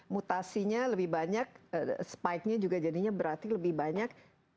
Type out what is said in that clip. mutasinya lebih banyak spikenya juga jadinya berarti lebih banyak